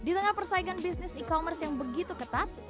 di tengah persaingan bisnis e commerce yang begitu ketat